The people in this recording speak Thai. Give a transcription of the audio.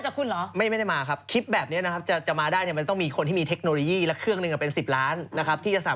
คุณเป็นคนไทยหรือเปล่า